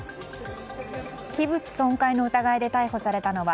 器物損壊の疑いで逮捕されたのは